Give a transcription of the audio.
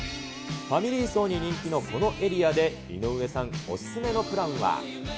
ファミリー層に人気のこのエリアで井上さん、お勧めのプランは。